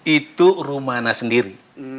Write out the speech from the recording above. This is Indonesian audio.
itu rumana sendiri